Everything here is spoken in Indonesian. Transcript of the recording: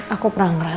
aku pernah ngerasain